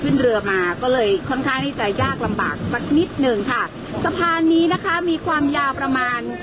ขึ้นเรือมาก็เลยค่อนข้างที่จะยากลำบากสักนิดหนึ่งค่ะสะพานนี้นะคะมีความยาวประมาณ